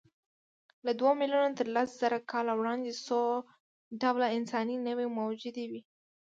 له دوو میلیونو تر لسزره کاله وړاندې څو ډوله انساني نوعې موجودې وې.